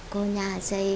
có nhà xây